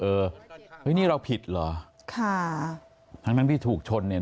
เออนี่เราผิดเหรอค่ะทั้งที่ถูกชนเนี่ย